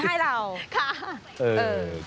ฝากให้เขาซื้อให้เรา